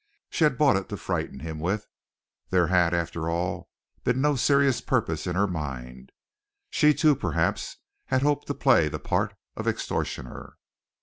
She had bought it to frighten him with. There had, after all, been no serious purpose in her mind. She too, perhaps, had hoped to play the part of extortioner.